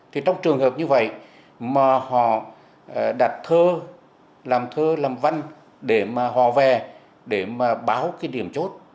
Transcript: thì trong trường hợp như vậy mà họ đặt thơ làm thơ làm văn để mà họ về để mà báo cái điểm chốt